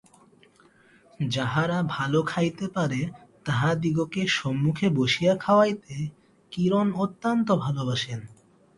যাহারা ভালো খাইতে পারে, তাহাদিগকে সম্মুখে বসিয়া খাওয়াইতে কিরণ অত্যন্ত ভালোবাসেন।